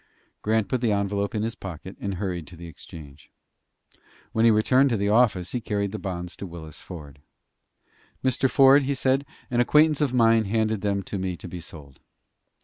Grant put the envelope into his pocket, and hurried to the Exchange. When he returned to the office he carried the bonds to Willis Ford. "Mr. Ford," he said, "an acquaintance of mine handed them to me to be sold."